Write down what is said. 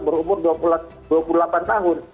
berumur dua puluh delapan tahun